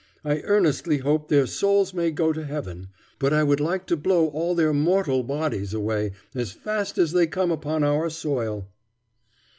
I earnestly hope their souls may go to heaven, but I would like to blow all their mortal bodies away, as fast as they come upon our soil."